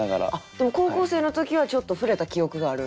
でも高校生の時はちょっと触れた記憶がある？